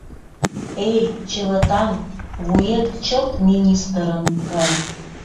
Эй, Чывытан, вует чылт министрын гай!..